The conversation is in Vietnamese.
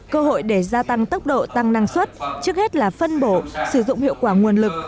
cơ hội để gia tăng tốc độ tăng năng suất trước hết là phân bổ sử dụng hiệu quả nguồn lực